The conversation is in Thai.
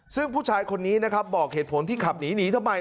ซึ่งผู้ชายคนนี้นะครับบอกเหตุผลที่ขับหนีหนีทำไม